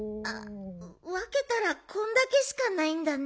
わけたらこんだけしかないんだね。